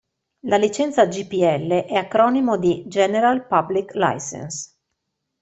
La licenza GPL è acronimo di General Public Licence.